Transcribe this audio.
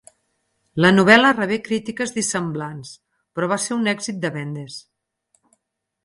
La novel·la rebé crítiques dissemblants, però va ser un èxit de vendes.